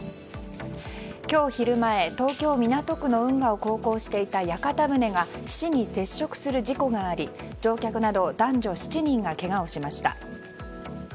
今日昼前、東京・港区の運河を航行していた屋形船が岸に接触する事故があり事故があり、乗客など男女７人がけがをしました。